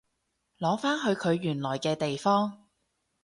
擺返去佢原來嘅地方